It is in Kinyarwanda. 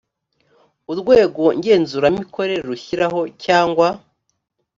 urwego ngenzuramikorere rushyiraho cyangwa